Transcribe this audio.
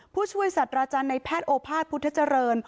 ผู้ช่วยสัตว์อาจารย์ในแพทย์โอภาษพุทธเจริญ